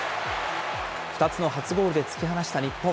２つの初ゴールで突き放した日本。